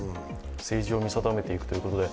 政治を見定めていくということで。